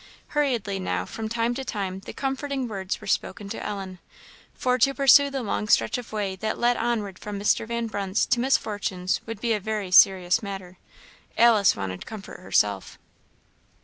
Hurriedly now from time to time the comforting words were spoken to Ellen, for to pursue the long stretch of way that led onward from Mr. Van Brunt's to Miss Fortune's would be a very serious matter; Alice wanted comfort herself.